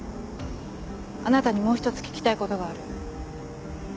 あなたにもう１つ聞きたいことがある。